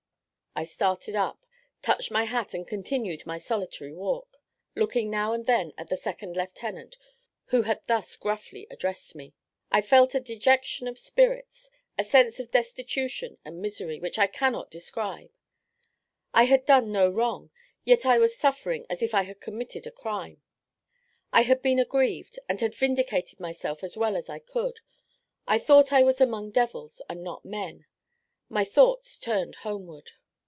I started up, touched my hat, and continued my solitary walk, looking now and then at the second lieutenant, who had thus gruffly addressed me. I felt a dejection of spirits, a sense of destitution and misery, which I cannot describe. I had done no wrong, yet I was suffering as if I had committed a crime. I had been aggrieved, and had vindicated myself as well as I could. I thought I was among devils, and not men; my thoughts turned homeward.